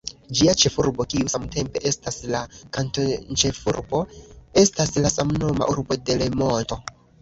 Ĝia ĉefurbo, kiu samtempe estas la kantonĉefurbo, estas la samnoma urbo Delemonto.